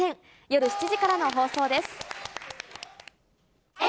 夜７時からの放送です。